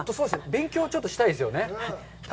勉強をちょっとしたいですね。